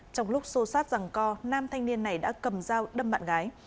trong lúc xô sát rằng co nam thanh niên này đã cầm dao đâm bạn gái